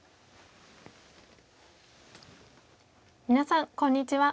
皆さんこんにちは。